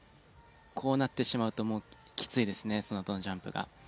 こうなってしまうときついですねそのあとのジャンプが。